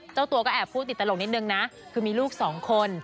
เจ้าตัวก็แอบพูดติดตลกนิดนึงนะคือมีลูกสองคน